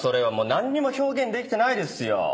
何にも表現できてないですよ。